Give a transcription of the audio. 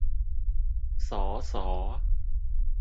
ศอ ษอ